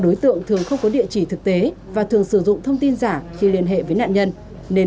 đối tượng thường không có địa chỉ thực tế và thường sử dụng thông tin giả khi liên hệ với nạn nhân nên